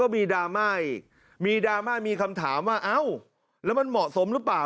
มีดราม่ามีดราม่ามีคำถามว่าเอ้าแล้วมันเหมาะสมหรือเปล่า